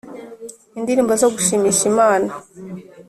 Indirimbo zo gushimisha Imana